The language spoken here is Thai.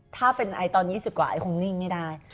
ถ้าเป็นไอตอน๒๐กว่าไอคงนิ่งไม่ได้